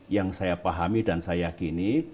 yang saya pahami dan saya yakini